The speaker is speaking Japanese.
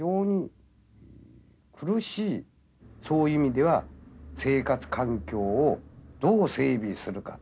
そういう意味では生活環境をどう整備するか。